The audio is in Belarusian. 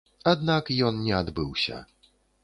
Аднак ён не адбыўся.